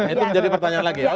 itu menjadi pertanyaan lagi